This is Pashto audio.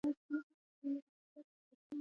ژمی د افغانستان په هره برخه کې موندل کېږي.